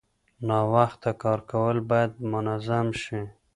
ناوخته کار کول باید منظم شي.